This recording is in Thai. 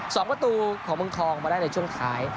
สองประตูของมรึงคลองมาได้ในช่วงสุด